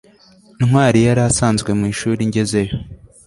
ntwali yari asanzwe mwishuri ngezeyo